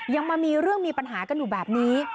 ยังมามีเรื่องมีปัญหากันอยู่แบบนี้